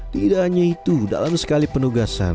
tidak hanya itu dalam sekali penugasan